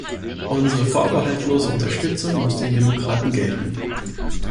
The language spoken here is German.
Unsere vorbehaltlose Unterstützung muss den Demokraten gelten.